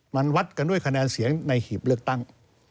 มันวัดกันด้วยคะแนนเสียงในหีบเลือกตั้ง